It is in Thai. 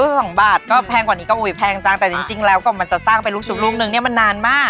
สองบาทก็แพงกว่านี้ก็อุ๊ยแพงจังแต่จริงแล้วก่อนมันจะสร้างเป็นลูกชุบลูกนึงเนี่ยมันนานมาก